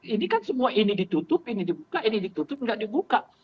ini kan semua ini ditutup ini dibuka ini ditutup nggak dibuka